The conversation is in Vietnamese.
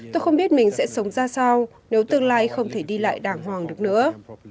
tôi không biết mình sẽ sống ra sao nếu tương lai không thể đi lại đàng hoàng được nữa